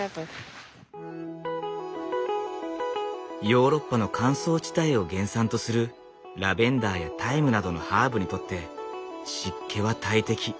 ヨーロッパの乾燥地帯を原産とするラベンダーやタイムなどのハーブにとって湿気は大敵。